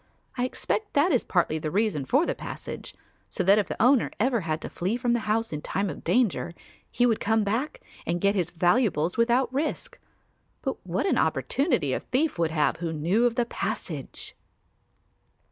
I expect that is partly the reason for the passage; so that if the owner ever had to flee from the house in time of danger, he would come back and get his valuables without risk; but what an opportunity a thief would have who knew of the passage!"